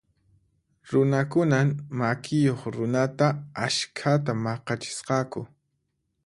Runakunan makiyuq runata askhata maq'achisqaku.